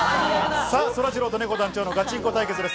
そらジローとねこ団長のガチンコ対決です。